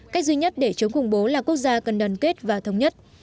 cách duy nhất để chống khủng bố là quốc gia cần đoàn kết và thống nhất